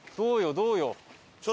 どうよ？